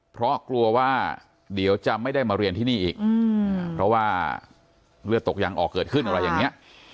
เพราะกลัวว่าเดี๋ยวจะไม่ได้มาเรียนที่นี่อีกเพราะว่าเลือดตกยังออกเกิดขึ้นอะไรอย่างนี้